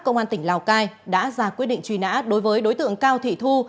công an tỉnh lào cai đã ra quyết định truy nã đối với đối tượng cao thị thu